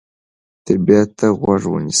طبیعت ته غوږ ونیسئ.